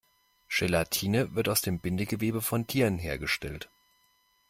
Gelatine wird aus dem Bindegewebe von Tieren hergestellt.